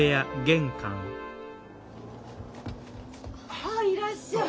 ああいらっしゃい。